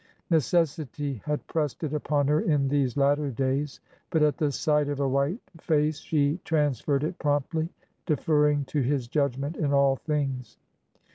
Neces sity had pressed it upon her in these latter days, but at the sight of a white face she transferred it promptly, defer ring to his judgment in all things.